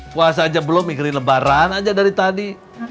puasa aja belum ikri lebaran aja dari tadi